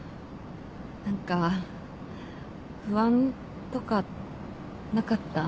何か不安とかなかった？